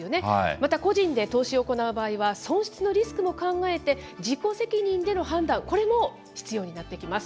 また個人で投資を行う場合は、損失のリスクも考えて、自己責任での判断、これも必要になってきます。